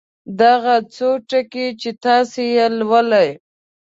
دغه څو ټکي چې تاسې یې لولئ.